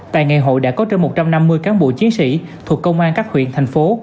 tại ngày hội đã có trên một trăm năm mươi cán bộ chiến sĩ thuộc công an các huyện thành phố